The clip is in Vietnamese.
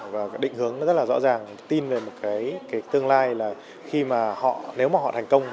và định hướng rất là rõ ràng tin về một tương lai là nếu mà họ thành công